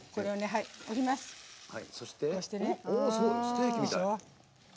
ステーキみたい。